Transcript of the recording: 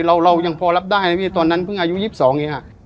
เรายังพอรับได้นะพี่เจคตอนนั้นเพิ่งอายุ๒๒เนี่ยค่ะ